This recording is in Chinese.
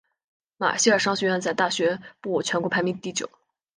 马歇尔商学院在大学部全国排名第九。